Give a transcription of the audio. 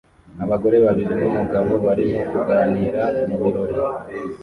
Abagore babiri numugabo barimo kuganira mubirori